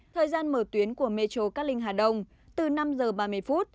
thời gian mở tuyến của mê châu cát linh hà đông từ năm h ba mươi